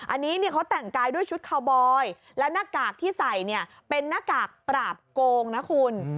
อันนี้เขาแต่งกายด้วยชุดคาวบอยแล้วหน้ากากที่ใส่เนี่ยเป็นหน้ากากปราบโกงนะคุณ